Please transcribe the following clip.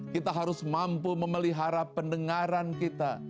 kita harus mampu memelihara pendengaran kita